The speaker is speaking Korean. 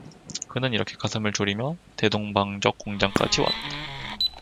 그는 이렇게 가슴을 졸이며 대동방적공장까지 왔다.